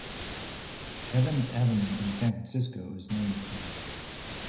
Evans Avenue in San Francisco is named for him.